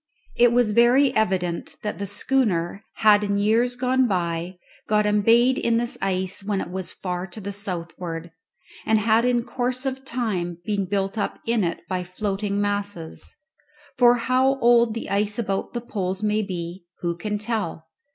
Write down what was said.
It was very evident that the schooner had in years gone by got embayed in this ice when it was far to the southward, and had in course of time been built up in it by floating masses. For how old the ice about the poles may be who can tell?